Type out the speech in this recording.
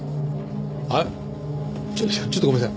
あっちょっとごめんなさい。